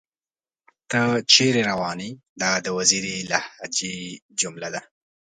تۀ چېرې راوون ئې ؟ دا د وزيري لهجې جمله ده